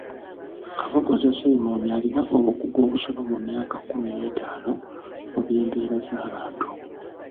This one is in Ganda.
Kabogoza Simon alina obukugu obusoba mu myaka kkumi n'etaano mu by’embeera z’abantu.